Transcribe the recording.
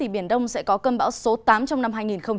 biển đông sẽ có cơn bão số tám trong năm hai nghìn hai mươi